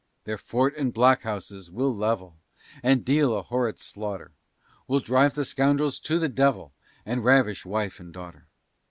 "Their fort and blockhouses we'll level, And deal a horrid slaughter; We'll drive the scoundrels to the devil, And ravish wife and daughter.